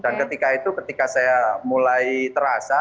dan ketika itu ketika saya mulai terasa